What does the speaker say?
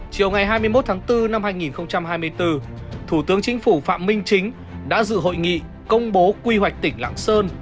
chiều ngày hai mươi một tháng bốn năm hai nghìn hai mươi bốn thủ tướng chính phủ phạm minh chính đã dự hội nghị công bố quy hoạch tỉnh lạng sơn